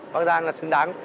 bác giang là xứng đáng